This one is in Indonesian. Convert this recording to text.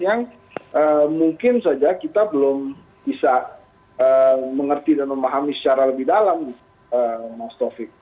yang mungkin saja kita belum bisa mengerti dan memahami secara lebih dalam mas taufik